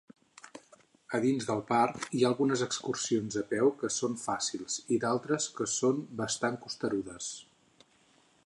A dins del parc, hi ha algunes excursions a peu que són fàcils i d'altres que són bastant costerudes.